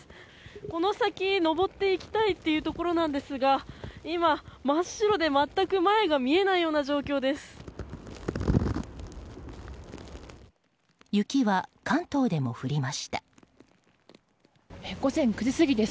この先、上っていきたいというところなんですが今、真っ白で全く前が見えないような状況です。